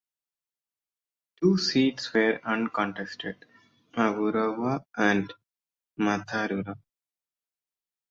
Two seats were uncontested: Awarua and Matarura.